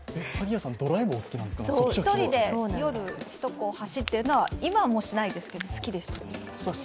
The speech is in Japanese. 一人で夜、首都高を走っているのは、今はもうしないですが、好きです。